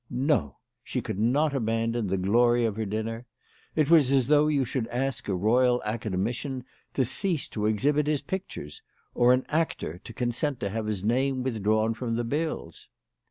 JN~o ! she could not abandon the glory of her dinner. It was as though you should ask a Royal Aca demician to cease to exhibit his pictures, or an actor to consent to have his name withdrawn from the bills.